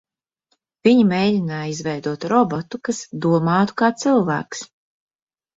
Viņi mēģināja izveidot robotu, kas domātu kā cilvēks?